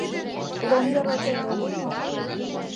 Ломбер отет огыл мо?